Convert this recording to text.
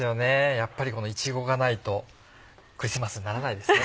やっぱりこのいちごがないとクリスマスにならないですね。